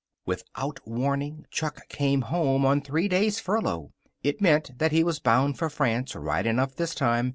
Without warning, Chuck came home on three days' furlough. It meant that he was bound for France right enough this time.